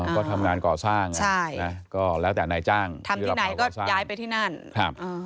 ก็ทำงานก่อสร้างอ่ะใช่นะก็แล้วแต่นายจ้างทำที่ไหนก็ย้ายไปที่นั่นครับอ่า